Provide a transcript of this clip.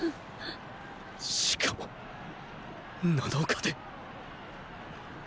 しかも七日で！